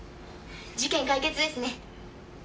事件解決ですね。